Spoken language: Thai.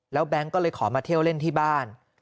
แก๊งก็เลยขอมาเที่ยวเล่นที่บ้าน